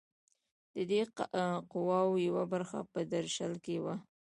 د دې قواوو یوه برخه په درشل کې وه.